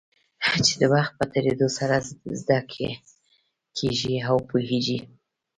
چې د وخت په تېرېدو سره زده کېږي او پوهېږې.